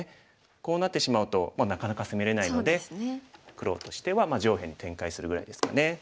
こうなってしまうともうなかなか攻めれないので黒としては上辺に展開するぐらいですかね。